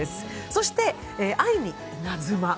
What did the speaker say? そして「愛にイナズマ」。